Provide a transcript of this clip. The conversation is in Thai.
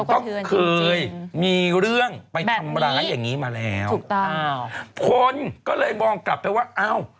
ก็เคยมีเรื่องไปทำร้ายอย่างงี้มาแล้วถูกต้องคนก็เลยมองกลับไปว่าอ้าว